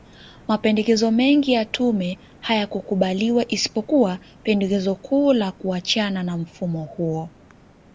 Mapendekezo mengi ya tume hayakukubaliwa isipokuwa pendekezo kuu la kuachana na mfumo huo